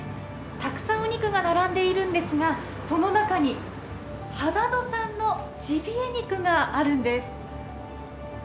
たくさんお肉が並んでいるんですがその中に秦野産のジビエ肉があるんです。